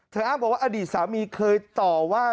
อ้างบอกว่าอดีตสามีเคยต่อว่า